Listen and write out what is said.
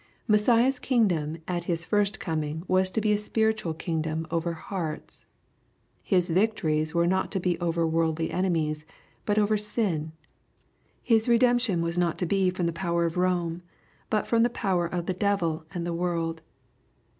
Messiah's kingdom at His first coming was to be a spiritual king* dom over hearts. His victories were not to be over worldly enemies, but over sin. His redemption was not to be from the power of Rome, but from the power of the devil and the world.